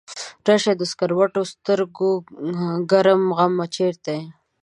راشه د سکروټو سترګو ګرم غمه چرته یې؟